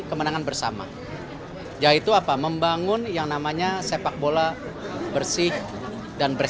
kelasir dua ribu dua puluh tiga dua ribu dua puluh tujuh adalah bapak e k kodir